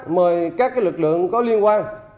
mời các lực lượng có liên quan